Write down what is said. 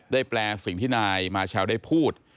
แปลสิ่งที่นายมาเชลได้พูด